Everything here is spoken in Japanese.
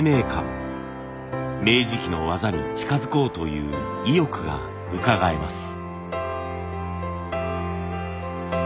明治期の技に近づこうという意欲がうかがえます。